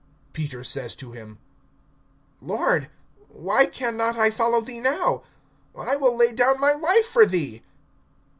(37)Peter says to him: Lord, why can not I follow thee now? I will lay down my life for thee.